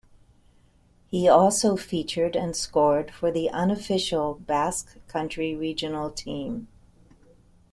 He also featured and scored for the unofficial Basque Country regional team.